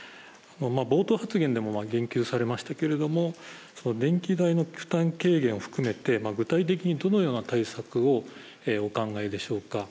冒頭発言でも言及されましたけれども、電気代の負担軽減を含めて具体的にどのような対策をお考えでしょうか。